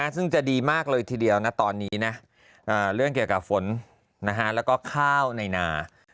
ซึ่งจะดีมากเลยทีเดียวนะตอนนี้นะเรื่องเกี่ยวกับฝนแล้วก็ข้าวในนา